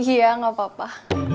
iya enggak apa apa